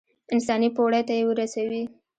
انساني پوړۍ ته يې رسوي.